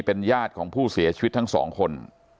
เป็นญาติของผู้เสียชีวิตทั้งสองคน